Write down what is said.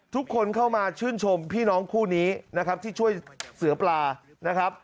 ทุกคนเข้ามาชื่นชมพี่น้องคู่นี้นะครับที่ช่วยเสือปลานะครับ